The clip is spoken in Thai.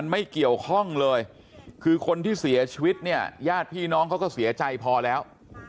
ไม่เกี่ยวข้องเลยคือคนที่เสียชีวิตเนี่ยญาติพี่น้องเขาก็เสียใจพอแล้ว